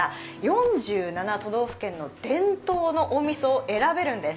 ４７都道府県の伝統のみそを選べるんです。